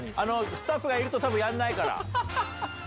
スタッフがいるとやんないから。